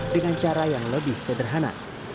dengan cara yang lebih sederhana